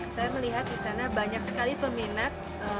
saya melihat di sana banyak sekali peminat